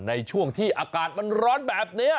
ในช่วงที่อากาศมันร้อนแบบนี้